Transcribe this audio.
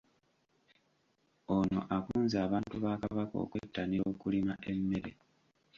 Ono akunze abantu ba Kabaka okwettanira okulima emmere.